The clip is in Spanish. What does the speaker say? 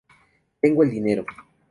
Tengo el dinero.